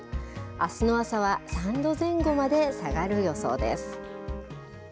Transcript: あすの朝は３度前後まで下がる予想です。